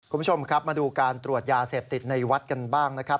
คุณผู้ชมครับมาดูการตรวจยาเสพติดในวัดกันบ้างนะครับ